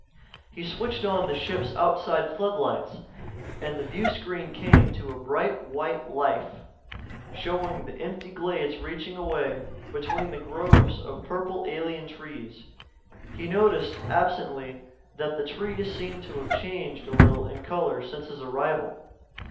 He switched on the ship's outside floodlights and the viewscreen came to bright white life, showing the empty glades reaching away between groves of purple alien trees. He noticed, absently, that the trees seemed to have changed a little in color since his arrival.